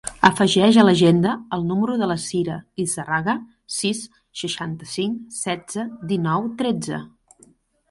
Afegeix a l'agenda el número de la Sira Lizarraga: sis, seixanta-cinc, setze, dinou, tretze.